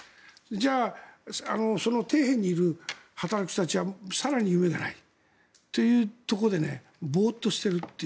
じゃあ、その底辺にいる働き手たちは更に夢がないというところでボーッとしていると。